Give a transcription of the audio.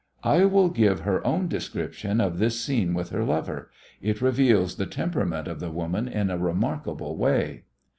I will give her own description of this scene with her lover. It reveals the temperament of the woman in a remarkable way.